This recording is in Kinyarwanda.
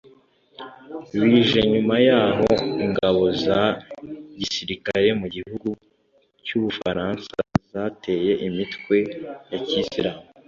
bije nyuma yaho ingabo za gisirikare mu gihugu cy’ubufaransa zateye imitwe ya kisilamu